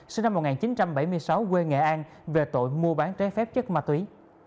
sinh năm một nghìn chín trăm bảy mươi sáu quê nghệ an về tội mua bán trái phép chất ma túy